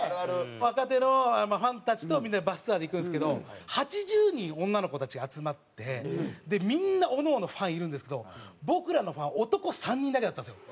若手のファンたちとみんなでバスツアーで行くんですけど８０人女の子たちが集まってみんなおのおのファンいるんですけど僕らのファン男３人だけだったんですよ。